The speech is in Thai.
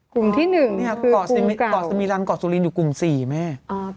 กลุ่มที่๑คือกลุ่มเก่า